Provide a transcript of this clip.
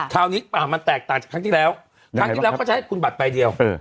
คราวนี้มันแตกต่างจากครั้งที่แล้วครั้งที่แล้วก็จะให้คุณบัตรใบเดียว